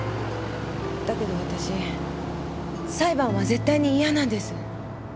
だけどわたし裁判は絶対に嫌なんです。